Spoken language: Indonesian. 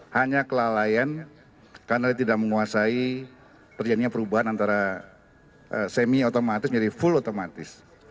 hanya kelalaian karena tidak menguasai terjadinya perubahan antara semi otomatis menjadi full otomatis